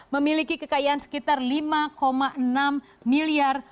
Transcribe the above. memiliki kekayaan sekitar lima enam miliar